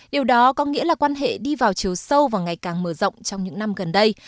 điều đó có nghĩa là quan hệ đi vào chiều sâu và ngày càng mở rộng trong những năm gần đây